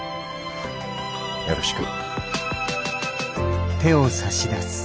よろしく。